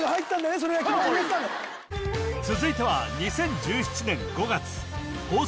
それだけね続いては２０１７年５月放送